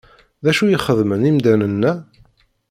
D acu i xeddmen imdanen-a?